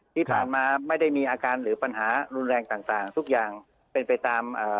ที่ผ่านมาไม่ได้มีอาการหรือปัญหารุนแรงต่างต่างทุกอย่างเป็นไปตามเอ่อ